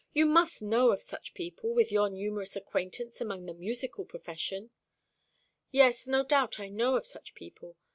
You must know of such people, with your numerous acquaintance among the musical profession " "Yes, no doubt I know of such people.